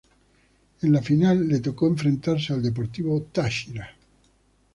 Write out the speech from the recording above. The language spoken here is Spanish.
En la final le tocó enfrentarse al Deportivo Táchira.